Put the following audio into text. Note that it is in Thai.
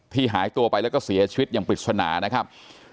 หายตัวไปแล้วก็เสียชีวิตอย่างปริศนานะครับ